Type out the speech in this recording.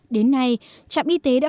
đến nay trạm y tế đã phát triển được